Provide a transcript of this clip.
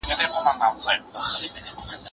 که ښوونځی وي نو ماشومان نه وروسته پاتې کیږي.